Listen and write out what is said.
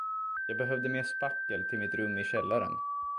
Jag behövde mer spackel till mitt rum i källaren.